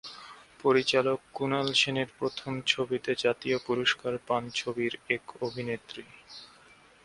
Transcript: পরিচালক কুনাল সেনের প্রথম ছবিতে জাতীয় পুরস্কার পান ছবির এক অভিনেত্রী।